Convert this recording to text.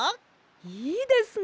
いいですね！